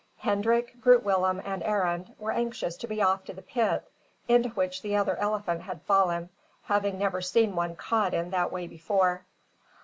Hendrik, Groot Willem, and Arend, were anxious to be off to the pit, into which the other elephant had fallen, having never seen one caught in that way before.